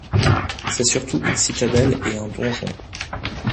C’est surtout une citadelle et un donjon.